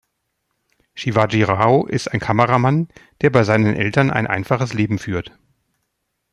Shivaji Rao ist ein Kameramann, der bei seinen Eltern ein einfaches Leben führt.